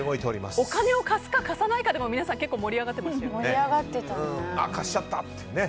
お金を貸すか貸さないかでも皆さん結構盛り上がってましたね。